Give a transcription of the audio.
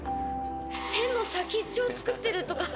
ペンの先っちょを作ってるとか。